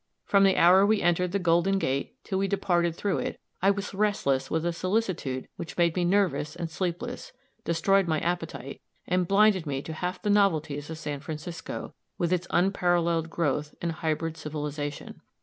From the hour we entered the Golden Gate till we departed through it, I was restless with a solicitude which made me nervous and sleepless, destroyed my appetite, and blinded me to half the novelties of San Francisco, with its unparalleled growth and hybrid civilization.